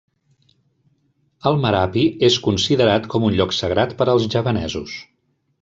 El Merapi és considerat com un lloc sagrat per als javanesos.